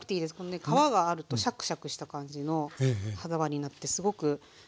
皮があるとシャクシャクした感じの歯触りになってすごくおいしいんですよね。